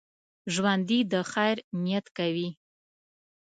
ژوندي د خیر نیت کوي